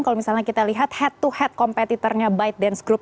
kalau misalnya kita lihat head to head kompetitornya bite dance group